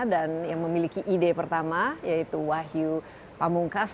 dan yang memiliki ide pertama yaitu wahyu pamungkas